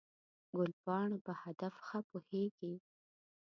ګلپاڼه په هدف ښه پوهېږي.